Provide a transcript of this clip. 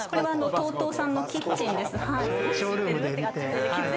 ＴＯＴＯさんのキッチンです。